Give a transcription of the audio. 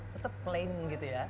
tetap plain gitu ya